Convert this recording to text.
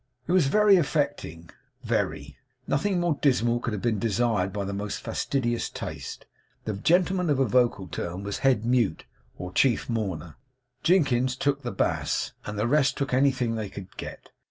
It was very affecting very. Nothing more dismal could have been desired by the most fastidious taste. The gentleman of a vocal turn was head mute, or chief mourner; Jinkins took the bass; and the rest took anything they could get.